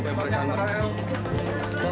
bagaimana udah siap mak